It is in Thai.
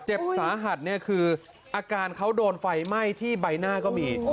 เจ็บสาหัสเนี่ยคืออาการเขาโดนไฟไหม้ที่ใบหน้าก็มี